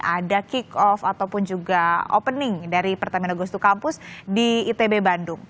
ada kick off ataupun juga opening dari pertamina gostu kampus di itb bandung